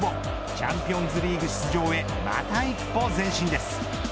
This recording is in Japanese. チャンピオンズリーグ出場へまた一歩、前進です。